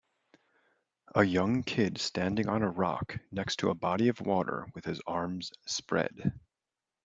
A young kid standing on a rock next to a body of water with his arms spread.